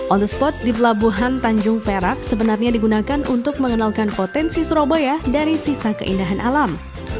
on the spot di pelabuhan tanjung perak sebenarnya digunakan untuk mengenalkan potensi surabaya dari sisa keindahan alam